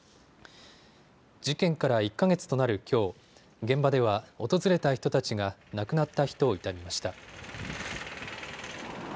事件から１か月となるきょう、現場では訪れた人たちが亡くなった人を悼みました。